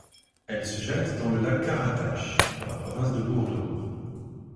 Elle se jette dans le lac Karataş dans la province de Burdur.